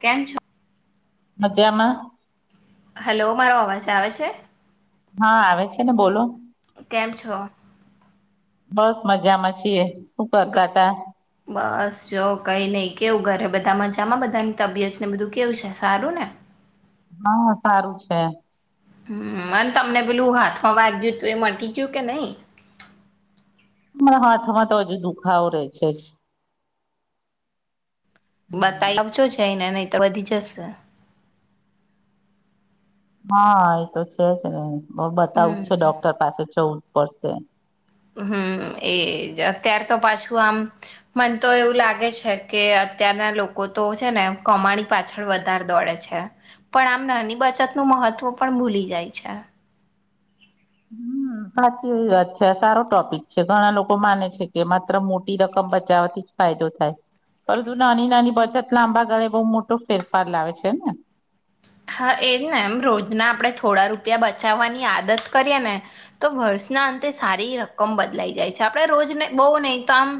કેમ છો? મજમાં. હેલો મારો અવાજ આવે છે? હા આવે છે ને બોલો. કેમ છો? બસ મજામાં છીએ. શું કરતા તા બસ જો કઈ નહી. કેવું ઘરે બધા મજામાં બધાની તબિયત ને બધું કેવું છે સારું ને? હા સારું છે. હમ્મ અન તમને પેલું હાથમાં વાગ્યું તું એ મટી ગયું કે નહી? [unintelligible] તો હજુ દુખાવો રેસેજ બતાઈ આવજો જઈને નહિ તો વધી જશે. હા એ તો છે જ ને. બતાવું જ છે હમ ડોક્ટર પાસે જવું પડશે હમ્મ એજ અત્યાર તો પાછું આમ મને તો એવું લાગે છે કે અત્યારના લોકો તો છે ને કમાણી પાછળ વધારે દોડે છે પણ આમ નાની બચતનું મહત્વ પણ ભૂલી જાય છે. હમ સાચી એવી વાત છે આ સારો ટોપિક છે ઘણા લોકો માને છે કે માત્ર મોટી રકમ બચાવવાથી જ ફાયદો થાય પરંતુ નાની નાની બચત લાંબા ગાળે બહુ મોટો ફેરફાર લાવે છે ને. હા એજ ને એમ રોજના આપણે થોડા રૂપિયા બચાવવાની આદત કરીએ ને તો વર્ષના અંતે સારી રકમ બદલાઈ જાય છે આપણે રોજને બહુ નહી તો આમ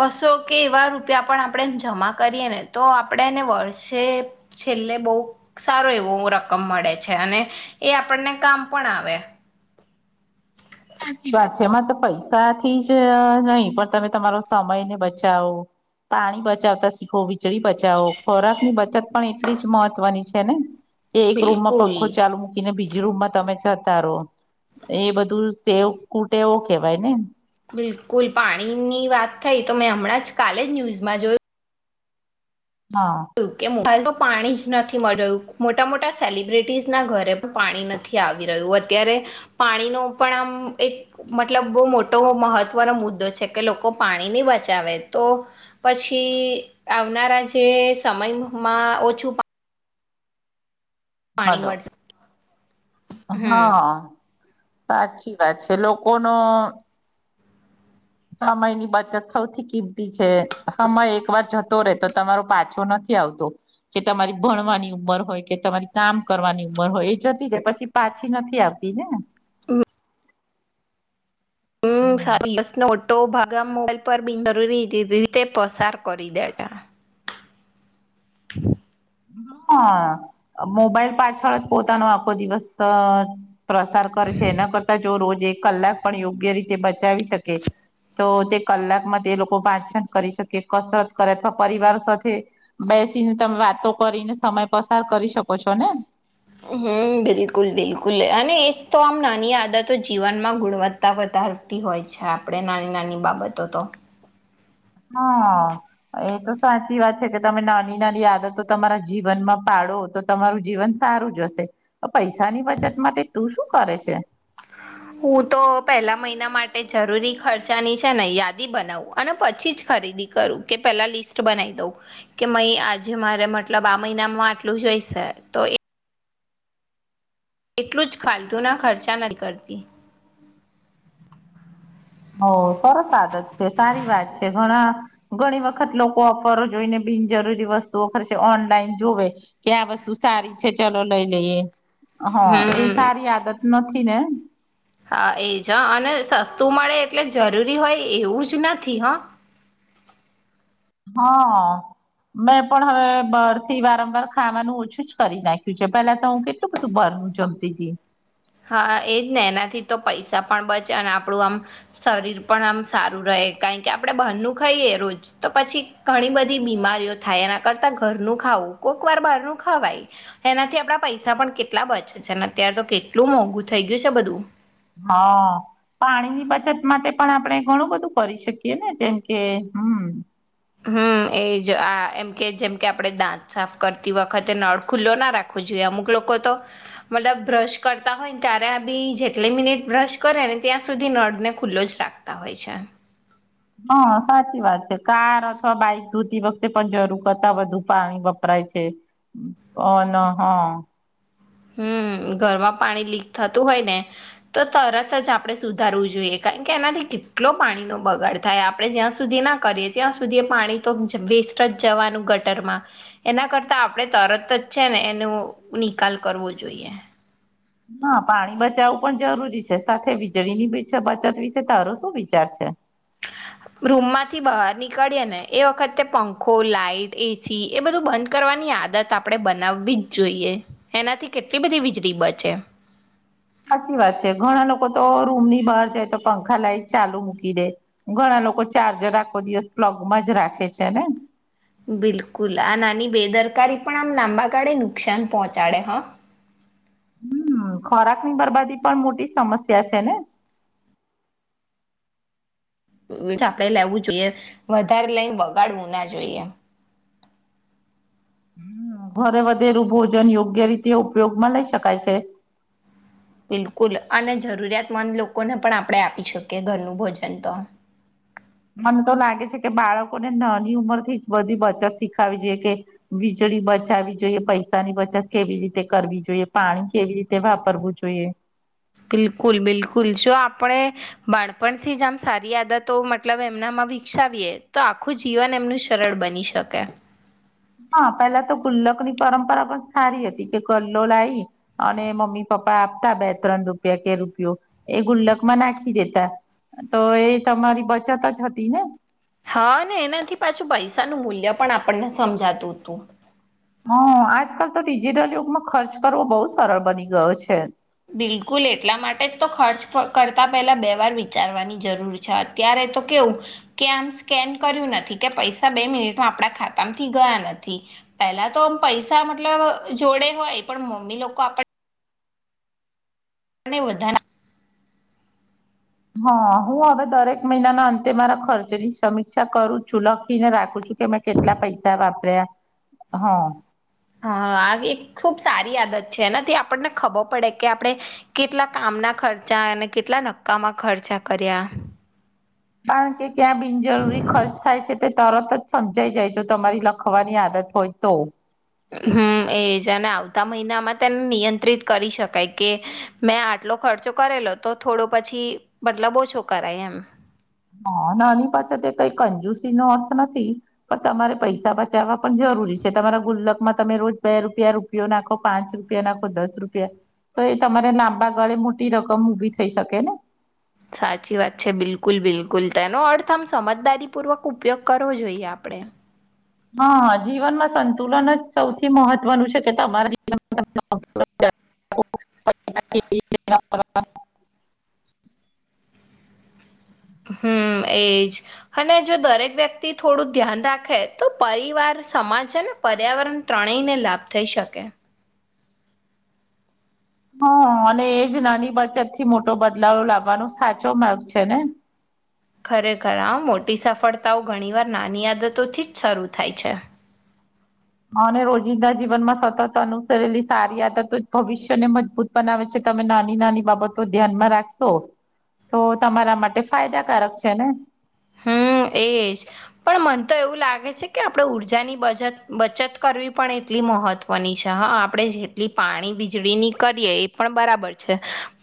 બસો કે એવા રૂપિયા પણ આપણે જમા કરીએ ને તો આપણે એને વર્ષે છેલ્લે બહુ સારો એવો રકમ મળે છે અને એ આપણને કામ પણ આવે. સાચી વાત છે એમાં તો પૈસાથી જ નહી પણ તમે તમારો સમયને બચાવો પાણી બચાવતા શીખો. [unintelligible] બચાવો ખોરાક ની બચત પણ એટલી જ મહત્વની છે. કેને એ એક બિલકુલ રૂમમાંંખ ચાલ મૂકીને બીજ રૂમમાં તમે જતા રહો એ બધું તે કૂટે એવો કવાય ને બિલકુલ પાણીની વાત થઈ તો મેં હમણાં જ કાલે જ ન્યૂઝમાં જોયું હા કે [unintelligible] પાણી જ નથી મળી રહ્યું મોટા મોટા સેલિબ્રિટીસ ના ઘરે પણ પાણી નથી આવી રહ્યું અત્યારે પાણીનો પણ આમ એક મતલબ બો મોટો મહત્વનો મુદ્દો છે કે લોકો પાણીની બચાવે તો પછી આવનારા જે સમયમાં ઓછું પા પાણી હલો મળ જ હા સાચી વાત છે લોકો નો સમય ની બચત સૌથી કિંમતી છે સમય એક વાર જતો રહેે તો તમારો પાછો નથી આવતો કે તમારી ભણવાની ઉંમર હોય કે તમારી કામ કરવાની ઉંમર હોય એ જતી જાય પછી પાછી નથી આવ તીને [unintelligible] હમ [unintelligible] તો ભાગા મોબાઈલ પર બીન જરૂરી રીતે પસાર કરી દેતા [inaudible] હા મોબાઈલ પાછળ જ પોતાનો આખો દિવસ પ્રસાર કરે છે એના કરતા જો રોજ એ કલાક પણ યોગ્ય રીતે બચાવી શકે તો તે કલાકમાં તે લોકો વાંચન કરી શકે કસરત કરે અથવા પરિવાર સાથે બેસીને તમે વાતો કરીને સમય પસાર કરી શકો છો ને હમ બિલકુલ બિલકુલ અને એ તો આમ નાની આદતો જીવનમાં ગુણવત્તા વધારતી હોય છે આપણે નાની નાની બાબતો તો હા એ તો સાચી વાત છે કે તમે નાની નાની આદતો તમારા જીવનમાં પાડો તો તમારું જીવન સારું જશે તો પૈસાની બચત માટે તું શું કરે છે. હું તો પેલા મહિના માટે જરૂરી ખર્ચાની છે ને યાદી બનાવું અને પછી જ ખરીદી કરું કે પેલા લિસ્ટ બનાવી દઉં કે મઈ આજે મારે મતલબ આ મહિનામાં આટલું જોઈશે તો એટલું જ ફાલતુના ખર્ચા નથી કરતી હ સરસ આદત છે સારી વાત છે ઘણા ઘણી વખત લોકો ઓફર જોઈને બિનજરૂરી વસ્તુઓ ખરશે ઓનલાઈન જોવે કે આ વસ્તુ સારી છે ચલો લઈ લઈએ હા એ હમ સારી આદત ન થી ને હા એજ હ અને સસ્તું મળે એટલે જરૂરી હોય એવું જ નથી હ હા મેં પણ હવે બાર થી વારંવાર ખાવાનું ઓછું જ કરી નાખ્યું છે પેલા તો હું કેટલું બધું બારનું જમતીતી હા એજ ને એનાથી તો પૈસા પણ બચે અને આપણું આમ શરીર પણ આમ સારું રહે કારણ કે આપડે બહારનું ખાઈએ રોજ તો પછી ઘણી બધી બીમારીઓ થાય એના કરતા ઘરનું ખાવું કોક વાર બહારનું ખાવાય એનાથી આપડા પૈસા પણ કેટલા બચે છે અને અત્યારે તો કે કેટલું મોંઘું થઈ ગયું છે બધું હા પાણીની બચત માટે પણ આપણે ઘણું બધું કરી શકીએ ને જેમ કે હમ હમ એ જ આ એમ કે જેમ કે આપણે દાંત સાફ કરતી વખતે નળ ખુલ્લો ના રાખવો જોઈએ અમુક લોકો તો મતલબ બ્રશ કરતા હોય ને ત્યારે આ બી જેટલી મિનિટ બ્રશ કરે ને ત્યાં સુધી નળને ખુલ્લો જ રાખતા હોય છે. હા સાચી વાત છે કાર અથવા બાઈક ધોતી વખતે પણ જરૂર કરતા બધું પાણી વપરાય છે અ ન હ હમ ઘરમાં પાણી લીક થતું હોય ને તો તરત જ આપણે સુધારવું જોઈએ કારણ કે એનાથી કેટલો પાણીનો બગાડ થાય આપણે જ્યાં સુધી ના કરીએ ત્યાં સુધી પાણી તો વેસ્ટ જ જવાનું ગટરમાં એના કરતા આપણે તરત જ છે ને એનો નિકાલ કરવું જોઈએ. હા પાણી બચાવવું પણ જરૂરી છે સાથે વીજળી ની બી છે બચત વિશે તારો શું વિચાર છે. રૂમમાંથી બહાર નીકળીએ ને એ વખતે પંખો લાાઈટ એસી એ બધું બંધ કરવાની આદત આપણે બનાવવી જ જોઈએ એનાથી કેટલી બધી વીજળી બચે સાચી વાત છે ઘણા લોકો તો રૂમ ની બહાર જાય તો પંખા લાઈટ ચાલુ મૂકી દે ઘણા લોકો ચાર્જર આખો દિવસ પ્લગમાં જ રાખે છે ને બિલકુલ આ નાની બેદરકારી પણ આમ લાંબા ગાળે નુકસાન પહોંચાડે હા હમ ખોરાક ની બરબાદી પણ મોટી સમસ્યા છે ને આપડે લેવું જોઈએ વધારે લઈને વગાડવું ના જોઈએ હ ઘરે વધેરું ભોજન યોગ્ય રીતે ઉપયોગમાં લઈ શકાય છે. બિલકુલ અને જરૂરિયાતમંદ લોકોને પણ આપણે આપી શકીએ ઘરનું ભોજન તો મને તો લાગે છે કે બાળકોને નાની ઉંમર થી જ બધી બચત શીખાવી જોઈએ કે વીજળી બચાવવી જોઈએ પૈસાની બચત કેવી રીતે કરવી જોઈએ પાણી કેવી રીતે વાપરવું જોઈએ. બિલકુલ બિલકુલ જો આપણે બાણપણથી જ આમ સારી આદતો મતલબ એમનામાં વિકસાવીએ તો આખું જીવન એમનું સરળ બની શકે હા પેલા તો ગુલ્લક ની પરંપરા પણ સારી હતી કે ગલ્લો લાવી અને મમ્મી પપ્પા આપતા બે ત્રણ રૂપિયા કે રૂપિયો એ ગુલ્લક માં નાખી દેતા તો એ તમારી બચત જ હતી ને હા ને એનાથી પાછું પૈસા નું મૂલ્ય પણ આપણને સમજાતું હતું હ આજકાલ તો ડિજિટલ યુગમાં ખર્ચ કરવો બહુ સરળ બની ગયો છે બિલકુલ એટલા માટે જ તો ખર્ચ કરતા પહેલા બે વાર વિચારવાની જરૂર છે અત્યારે તો કેવું કે આમ સ્કેન કર્યું નથી કે પૈસા બે મિનિટમાં આપડા ખાતામાંથી ગયા નથી પહેલા તો પૈસા મતલબ જોડે હોય પણ મમ્મી લોકો આપણ આપણે વધાના હા હું હવે દરેક મહિનાના અંતે મારા ખર્ચની સમીક્ષા કરું છું લખીને રાખું છું કે મેં કેટલા પૈસા વાપર્યા હ હા આ એક ખુબ સારી આદત છે એનાથી આપણને ખબર પડે કે આપણે કેટલા કામના ખર્ચા અને કેટલા નક્કામાં ખર્ચા કર્યા કારણ કે ત્યાં બિનજરૂરી ખર્ચ થાય છે તે તરત જ સમજાઈ જાય તો તમારી લખવાની આદત હોય તો હમ્મ એજ ને આવતા મહિનામાં તેને નિયંત્રિત કરી શકાય કે મેં આટલો ખર્ચો કરેલો તો થોડો પછી મતલબ ઓછો કરાય એમ હા નાની બચત તે કઈ કંજુસી નો અર્થ નથી પણ તમારે પૈસા બચાવવા પણ જરૂરી છે તમારા ગુલ્લકમાં તમે રોજ બે રૂપિયા રૂપિયો નાખો પાંચ રૂપિયા નાખો દસ રૂપિયા તો એ તમારે લાંબા ગાળે મોટી રકમ ઉભી થઈ શકે ને સાચી વાત છે બિલકુલ બિલકુલ તેનો અર્થ આમ સમજદારીપૂર્વક ઉપયોગ કરવો જોઈએ આપડે હા જીવનમાં સંતુલન જ સૌથી મહત્વનું છે કે તમારા જવનમાં [unintelligible] હમ્મ એજ અને જો દરેક વ્યક્તિ થોડું ધ્યાન રાખે તો પરિવાર સમાજ અને પર્યાવરણ ત્રણેયને લાભ થઈ શકે હા અને એજ નાની બચત થી મોટો બદલાવ લાવવાનો સાચો માર્ગ છે ને ખરેખર આ મોટી સફળતાઓ ઘણીવાર નાની આદતોથી જ શરૂ થાય છે અને અને રોજિંદા જીવન માં સતત અનુસરેલી સારી આદતો જ ભવિષ્યને મજબૂત બનાવે છે તમે નાની નાની બાબતો ધ્યાનમાં રાખશો તો તમારા માટે ફાયદાકારક છે ને હમ્મ એજ પણ મને તો એવું લાગે છે કે આપણેે ઉર્જાની બચત બચત કરવી પણ એટલી મહત્વની છે હા આપણે જેટલી પાણી વીજળીની કરીએ એ પણ બરાબર છે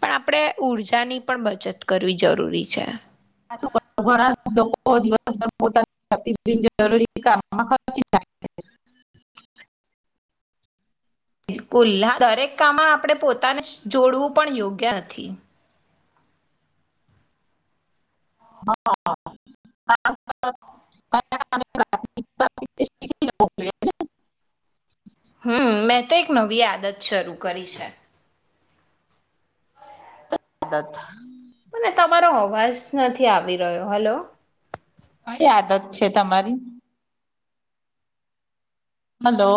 પણ આપણેે ઉર્જાની પણ બચત કરવી જરૂરી છે [unintelligible] બિલકુલ દરેક કામમાં આપણે પોતાને જોડવું પણ યોગ્ય નથી [unintelligible] હમ્મ મેં તો એક નવી આદત શરૂ કરી છે તત મને તમારો અવાજ નથી આવી રહ્યો હલો કઈ આદત છે તમારી હલો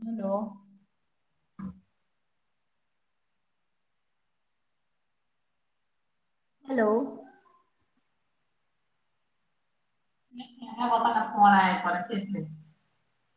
હલો હેલો [unintelligible]